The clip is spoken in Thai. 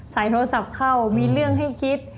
โทรศัพท์เข้ามีเรื่องให้คิด